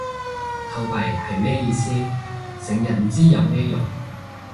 投幣係咩意思？成日唔知有咩用